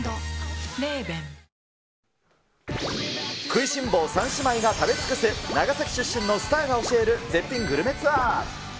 食いしん坊三姉妹が食べ尽くす、長崎出身のスターが教える絶品グルメツアー。